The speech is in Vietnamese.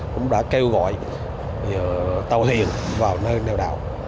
cũng đã kêu gọi tàu thuyền vào nơi neo đậu